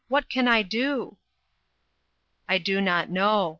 What can I do!" " I do not know.